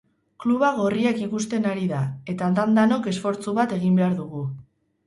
Kluba gorriak ikusten ari da eta dan-danok esfortzu bat egin behar dugu.